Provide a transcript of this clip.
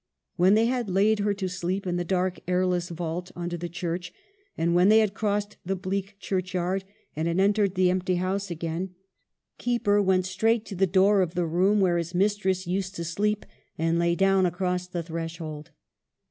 When they had laid her to sleep in the dark, airless vault under the church, and when they had crossed the bleak churchyard, and had entered the empty house again, Keeper went EMILVS DEATH. 309 straight to the door of the room where his mis tress used to sleep, and lay down across the threshold.